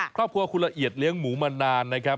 ครอบครัวคุณละเอียดเลี้ยงหมูมานานนะครับ